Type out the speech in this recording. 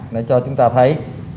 để cho chúng ta thấy